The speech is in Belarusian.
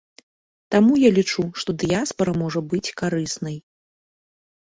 Таму я лічу, што дыяспара можа быць карыснай.